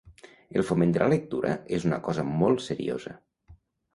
El foment de la lectura és una cosa molt seriosa.